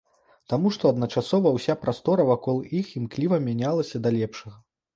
Таму што адначасова ўся прастора вакол іх імкліва мянялася да лепшага.